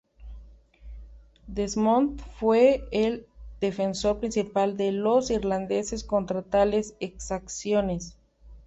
Desmond fue el defensor principal de los irlandeses contra tales exacciones.